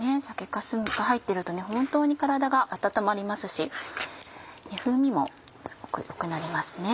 酒粕が入ってると本当に体が温まりますし風味もすごく良くなります。